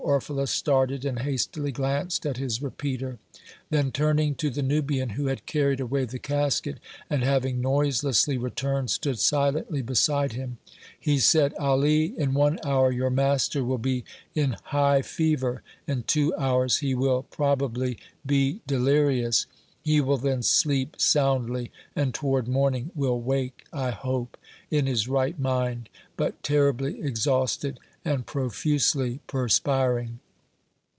Orfila started and hastily glanced at his repeater; then, turning to the Nubian, who had carried away the casket, and, having noiselessly returned, stood silently beside him, he said: "Ali, in one hour your master will be in high fever; in two hours he will, probably, be delirious. He will then sleep soundly, and toward morning will wake, I hope, in his right mind, but terribly exhausted and profusely perspiring.